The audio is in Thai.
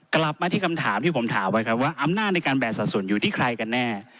กลับมาที่คำถามที่ผมถามไว้ครับว่าอำนาจในการแบกสัดส่วนอยู่ที่ใครกันแน่